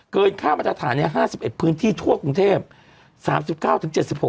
เกินค่ามาตรฐานเนี่ย๕๑พื้นที่ทั่วกรุงเทพ